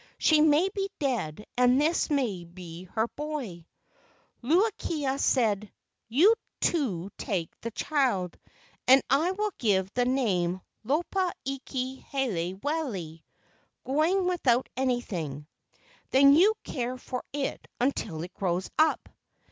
She may be dead and this may be her boy." Luu kia said, "You two take the child, and I will give the name, Lopa iki hele wale [Going without anything]. Then you care for it until it grows up."